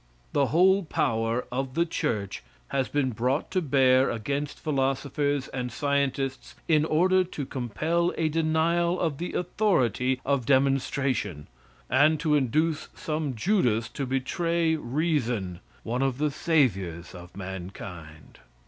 The whole power of the church has been brought to bear against philosophers and scientists in order to compel a denial of the authority of demonstration, and to induce some Judas to betray Reason, one of the saviors of mankind.